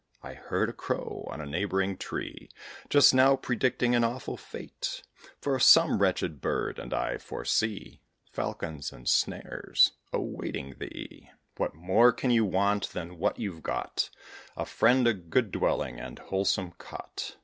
I heard a crow, on a neighbouring tree, [Illustration: THE TWO PIGEONS.] Just now, predicting an awful fate For some wretched bird; and I foresee Falcons and snares awaiting thee. What more can you want than what you've got A friend, a good dwelling, and wholesome cot?"